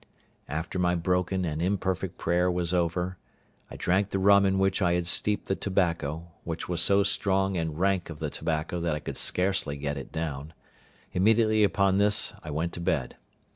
After my broken and imperfect prayer was over, I drank the rum in which I had steeped the tobacco, which was so strong and rank of the tobacco that I could scarcely get it down; immediately upon this I went to bed.